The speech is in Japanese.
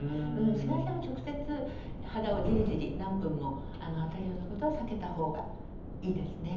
紫外線は直接肌をじりじり何分も当てるようなことは避けた方がいいですね。